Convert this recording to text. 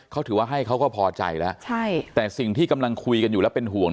เขาถือว่าให้เขาก็พอใจแล้วใช่แต่สิ่งที่กำลังคุยกันอยู่แล้วเป็นห่วง